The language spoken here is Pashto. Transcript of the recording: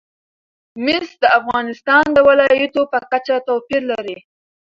مس د افغانستان د ولایاتو په کچه توپیر لري.